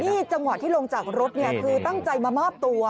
นี่จังหวะที่ลงจากรถเนี่ยคือตั้งใจมามอบตัว